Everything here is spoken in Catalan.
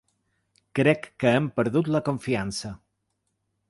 Crec que hem perdut la confiança.